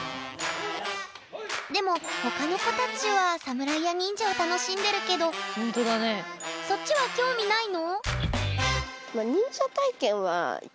でも他の子たちは侍や忍者を楽しんでるけどそっちは興味ないの？